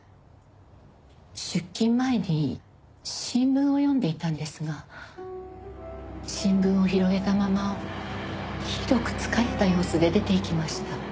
出勤前に新聞を読んでいたんですが新聞を広げたままひどく疲れた様子で出ていきました。